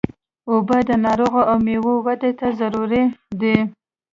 اوبه د نارنجو او میوو ودې ته ضروري دي.